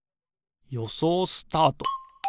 よそうスタート。